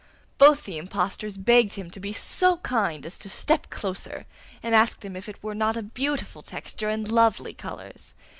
Both the impostors begged him to be so kind as to step closer, and asked him if it were not a beautiful texture and lovely colours.